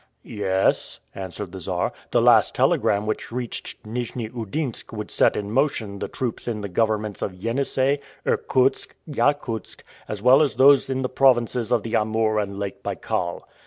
"Yes," answered the Czar. "The last telegram which reached Nijni Udinsk would set in motion the troops in the governments of Yenisei, Irkutsk, Yakutsk, as well as those in the provinces of the Amoor and Lake Baikal.